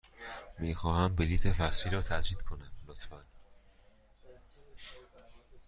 می خواهم بلیط فصلی را تجدید کنم، لطفاً.